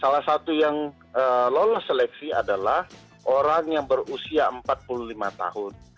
salah satu yang lolos seleksi adalah orang yang berusia empat puluh lima tahun